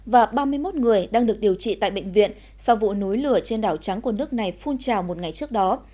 và ba mươi một người đang được điều trị tại bệnh viện sau vụ nối lửa trên đảo trắng của nước này phun trào một ngày trước đó